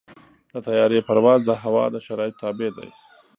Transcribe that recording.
د طیارې پرواز د هوا د شرایطو تابع دی.